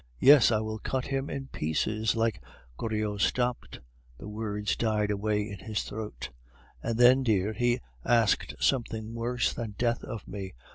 Yes, I will cut him in pieces like..." Goriot stopped; the words died away in his throat. "And then, dear, he asked something worse than death of me.